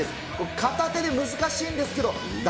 片手で難しいんですけれども、だ